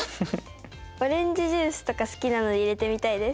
オレンジジュースとか好きなので入れてみたいです。